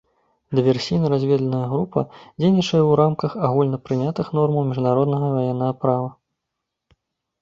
Дыверсійна-разведвальная група дзейнічае ў рамках агульнапрынятых нормаў міжнароднага і ваеннага права.